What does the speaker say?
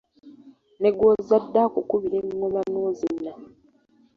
Ne gw’ozadde akukubira engoma n’ozina.